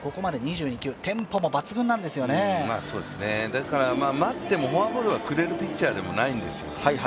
だから待ってもフォアボールをくれるピッチャーでもないんですよ。